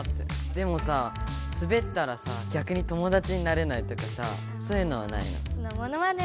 でもさすべったらさぎゃくに友だちになれないとかさそういうのはないの？